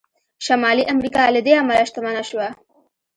شمالي امریکا له دې امله شتمنه شوه.